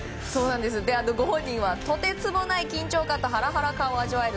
ご本人はとてつもない緊張感とハラハラ感を味わえる。